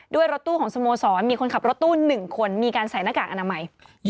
รถตู้ของสโมสรมีคนขับรถตู้๑คนมีการใส่หน้ากากอนามัย